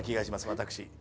私。